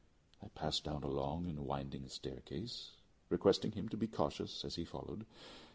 I passed down a long and winding staircase, requesting him to be cautious as he followed.